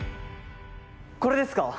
これですか？